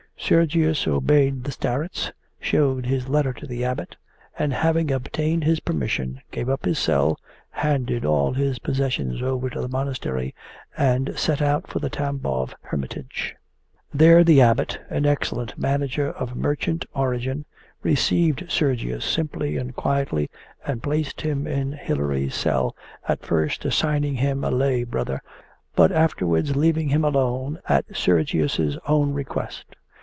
Sergius obeyed the starets, showed his letter to the Abbot, and having obtained his permission, gave up his cell, handed all his possessions over to the monastery, and set out for the Tambov hermitage. There the Abbot, an excellent manager of merchant origin, received Sergius simply and quietly and placed him in Hilary's cell, at first assigning to him a lay brother but afterwards leaving him alone, at Sergius's own request.